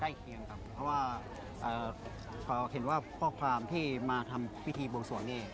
เคียงครับเพราะว่าเห็นว่าข้อความที่มาทำพิธีบวงสวงนี่